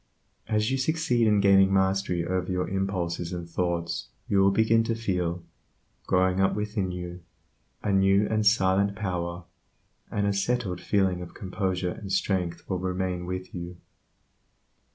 As you succeed in gaining mastery over your impulses and thoughts you will begin to feel, growing up within you, a new and silent power, and a settled feeling of composure and strength will remain with you.